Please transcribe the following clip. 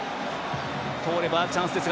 通ればチャンスです。